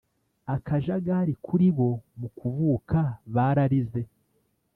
akajagari kuri bo mu kuvuka bararize.